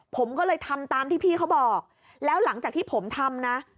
ผมก็เลยทำตามที่พี่เขาบอกแล้วหลังจากที่ผมทำนะ